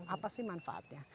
apa sih manfaatnya